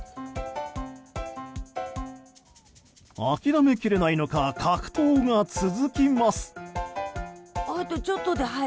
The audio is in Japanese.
諦めきれないのか格闘が続きます。